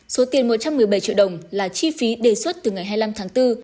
số tiền một trăm một mươi bảy triệu đồng là chi phí đề xuất từ ngày hai mươi năm tháng bốn